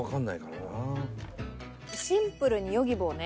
シンプルにヨギボーね。